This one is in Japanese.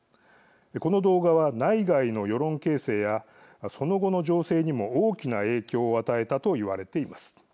この動画は、内外の世論形成やその後の情勢にも大きな影響を与えたと言われています。